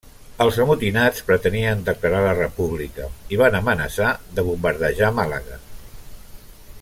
Els amotinats pretenien declarar la República i van amenaçar de bombardejar Màlaga.